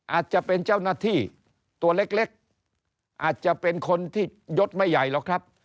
อาจจะเป็นเจ้าหน้าที่ตัวเล็กอาจจะเป็นคนที่ยดไม่ใหญ่หรอกครับ